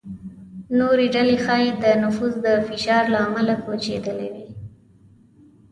نورې ډلې ښايي د نفوس فشار له امله کوچېدلې وي.